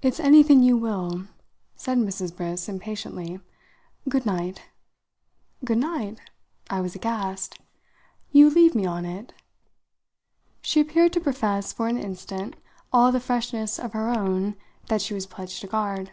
"It's anything you will!" said Mrs. Briss impatiently. "Good night." "Good night?" I was aghast. "You leave me on it?" She appeared to profess for an instant all the freshness of her own that she was pledged to guard.